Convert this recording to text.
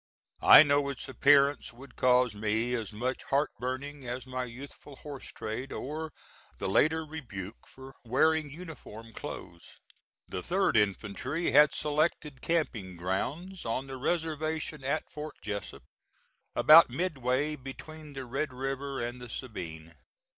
I know its appearance would cause me as much heart burning as my youthful horse trade, or the later rebuke for wearing uniform clothes. The 3d infantry had selected camping grounds on the reservation at Fort Jessup, about midway between the Red River and the Sabine.